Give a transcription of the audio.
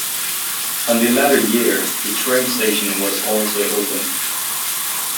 On the latter year the train station was also opened.